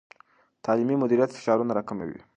تعلیمي مدیریت فشارونه راکموي.